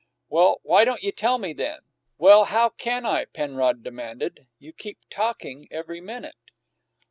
"Well, why don't you tell me, then?" "Well, how can I?" Penrod demanded. "You keep talkin' every minute."